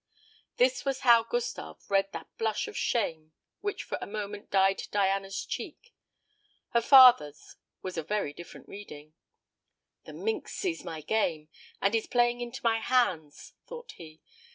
This was how Gustave read that blush of shame which for a moment dyed Diana's cheek. Her father's was a very different reading. "The minx sees my game, and is playing into my hands," thought he.